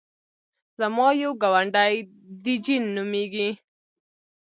زما یو ګاونډی دی جین نومېږي.